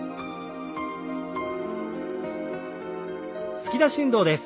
突き出し運動です。